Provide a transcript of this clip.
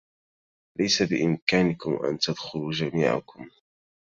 ليس بإمكانكم أن تدخلوا جميعكم.